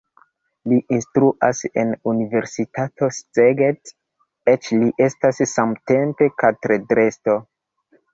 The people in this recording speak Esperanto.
Li instruas en universitato Szeged, eĉ li estas samtempe katedrestro.